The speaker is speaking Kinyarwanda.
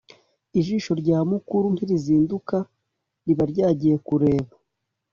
Ijisho rya mukuru ntirizinduka riba ryagiye kureba